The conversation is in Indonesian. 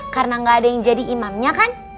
karena gak ada yang jadi imamnya kan